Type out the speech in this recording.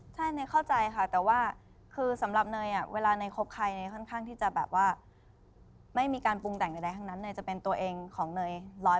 ใช่เนยเข้าใจค่ะแต่ว่าคือสำหรับเนยเวลาเนยคบใครเนยค่อนข้างที่จะแบบว่าไม่มีการปรุงแต่งใดทั้งนั้นเนยจะเป็นตัวเองของเนย๑๐๐